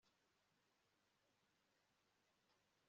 zo hejuru kandi bafite aho bahurira n'umutungo w'igihugu, bagaragaza